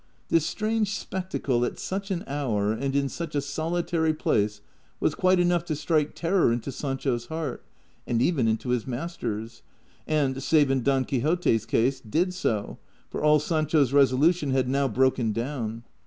This strange spectacle at such an hour and in such a solitary place was quite enough to strike terror into Sancho's heart, and even into his master's ; and (save in Don Quixote's case) did so, for all Sancho's resolution had now broken down.